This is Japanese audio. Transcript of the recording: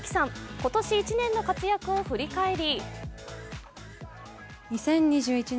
今年１年の活躍を振り返り